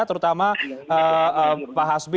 terutama pak hasbi